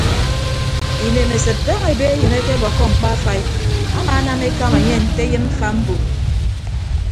Inemesịd daña ebe eyịn akebọkkọ mkpa afai amaanam ekama enye nte eyịn mfa mbom.